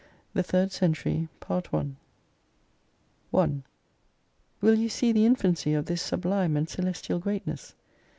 S5 THE THIRD CENTURY 1 WILL you see the infancy of this sublime and celestial greatness